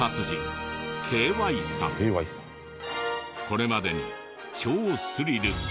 これまでに超スリル！